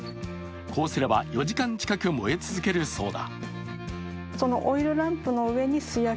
こうすれば４時間近く燃え続けるそうだ。